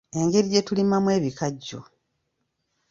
Engeri gye tulimamu ebikajjo.